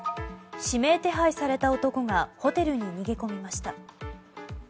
指名手配された男がホテルに逃げ込みました。